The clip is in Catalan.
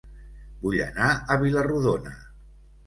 Vull anar a Vila-rodona